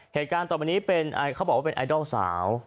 เหตุการณ์ต่อมานี้เป็นเขาบอกว่าเป็นไอดอลสาว